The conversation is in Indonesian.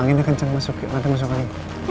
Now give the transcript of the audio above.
anginnya kenceng masuk nanti masuk lagi